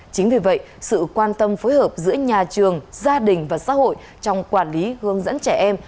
chính vì vậy sự quan tâm phối hợp giữa nhà trường gia đình và xã hội trong quản lý hướng dẫn trẻ em